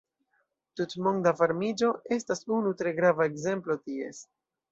Tutmonda varmiĝo estas unu tre grava ekzemplo ties.